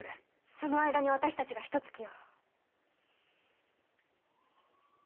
その間に私たちがヒトツ鬼を。